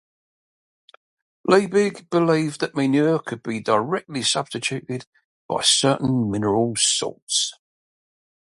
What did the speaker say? Liebig believed that manure could be directly substituted by certain mineral salts.